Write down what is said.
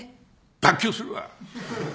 脱臼するわ！